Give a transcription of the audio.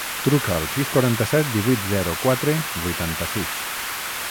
Truca al sis, quaranta-set, divuit, zero, quatre, vuitanta-sis.